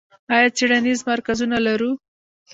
آیا څیړنیز مرکزونه لرو؟